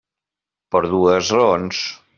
Per dues raons.